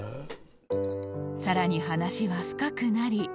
更に話は深くなり